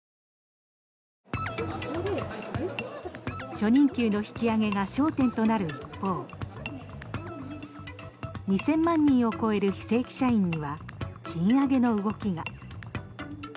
初任給の引き上げが焦点となる一方２０００万人を超える非正規社員には賃上げの動きが。